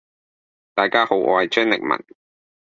大家好，我係張力文。